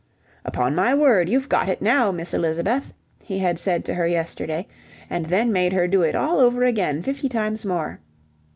"Upon my word, you've got it now, Miss Elizabeth," he had said to her yesterday, and then made her do it all over again fifty times more.